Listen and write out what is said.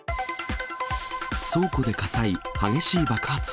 倉庫で火災、激しい爆発音。